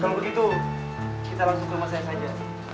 kalau begitu kita langsung ke masjid saja